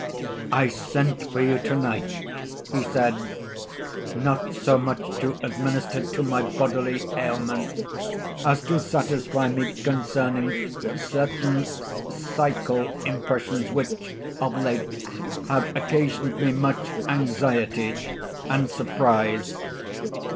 "I sent for you to night," he said, "not so much to administer to my bodily ailment, as to satisfy me concerning certain psychal impressions which, of late, have occasioned me much anxiety and surprise.